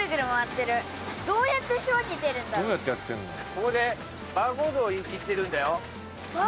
ここでバーコードを印字してるんだよ。